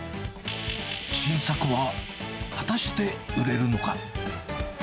新作は果たして売れるのか。